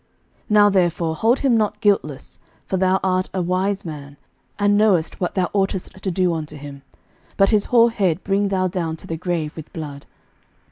11:002:009 Now therefore hold him not guiltless: for thou art a wise man, and knowest what thou oughtest to do unto him; but his hoar head bring thou down to the grave with blood.